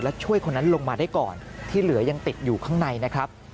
แล้วช่วยคนนั้นลงมาได้ก่อนที่เหลือยังติดอยู่ข้างในนะครับ